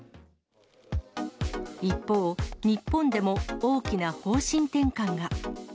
一方、日本でも大きな方針転換が。